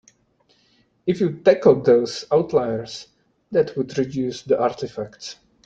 If you tackled these outliers that would reduce the artifacts.